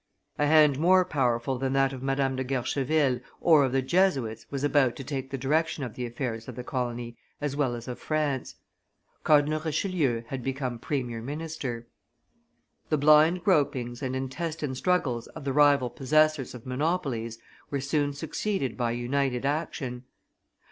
A hand more powerful than that of Madame de Guercheville or of the Jesuits was about to take the direction of the affairs of the colony as well as of France: Cardinal Richelieu had become premier minister. The blind gropings and intestine struggles of the rival possessors of monopolies were soon succeeded by united action.